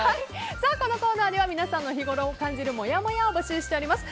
このコーナーでは皆さんが日ごろ感じるモヤモヤを募集しております。